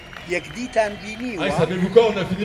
یەکدیتان بینیوە؟